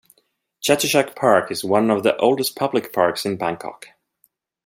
Chatuchak park is one of the oldest public parks in Bangkok.